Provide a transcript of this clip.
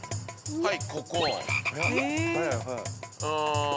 はい。